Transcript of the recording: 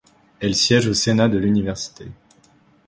Elle siège au Sénat de l’Université.